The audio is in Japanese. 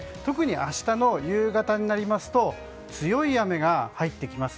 特に明日夕方になりますと強い雨が入ってきます。